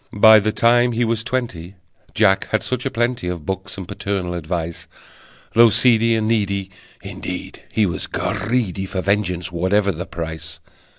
By the time he was twenty Jack had such a plenty Of books and paternal advice, Though seedy and needy, Indeed he was greedy For vengeance, whatever the price!